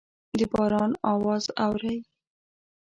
د باران اواز اورئ